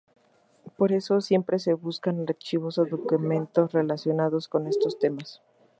Por eso siempre se buscan archivos o documentos relacionados con estos temas.